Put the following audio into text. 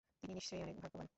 তিনি নিশ্চয়ই অনেক ভাগ্যাবান।